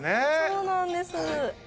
そうなんです。